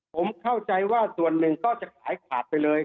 ผมเข้าใจว่าส่วนหนึ่งก็จะขายขาดไปเลย